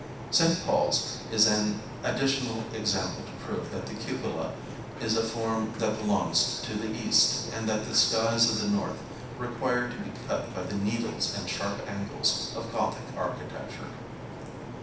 St. Paul's is an additional example to prove that the cupola is a form that belongs to the East and that the skies of the North require to be cut by the needles and sharp angles of Gothic architecture.